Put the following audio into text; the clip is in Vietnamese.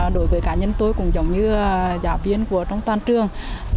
đối với cá nhân tôi cũng giống như giáo viên của trong toàn trường